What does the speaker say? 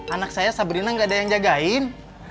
anak saya sabrina gak ada yang jagain